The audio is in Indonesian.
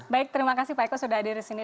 baik terima kasih pak eko sudah hadir di sini